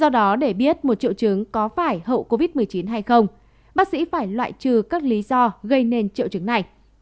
do đó để biết một triệu chứng có phải hậu covid một mươi chín hay không bác sĩ phải loại trừ các lý do gây nên triệu chứng này